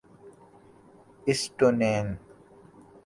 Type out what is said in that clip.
Estonian